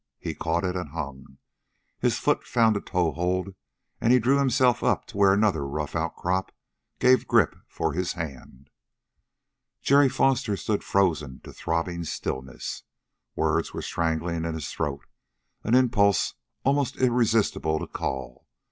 He caught it and hung. His foot found a toehold and he drew himself up to where another rough outcrop gave grip for his hand. Jerry Foster stood frozen to throbbing stillness. Words were strangling in his throat, an impulse, almost irresistible, to call.